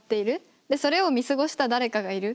でそれを見過ごした誰かがいる。